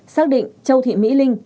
xác định châu thị mỹ linh